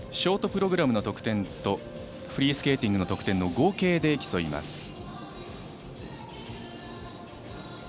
ショートプログラムの得点とフリースケーティングの得点の合計で競います。